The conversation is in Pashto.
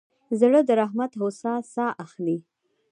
زړه د رحمت هوا ساه اخلي.